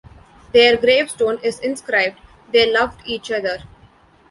Their gravestone is inscribed "They Loved Each Other".